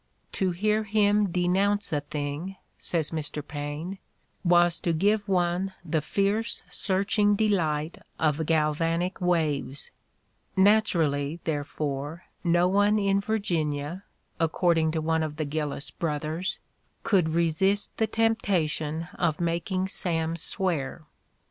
"To hear him denounce a thing," says Mr. Paine, "was to give one the fierce, searching delight of galvanic waves"; naturally, therefore, no one in Vir ginia, according to one of the Gillis brothers, could "re sist the temptation of making Sam swear."